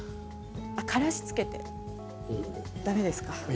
からしをつけてだめですか？